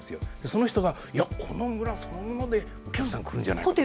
その人が、いや、この村そのままでお客さん来るんじゃないかと。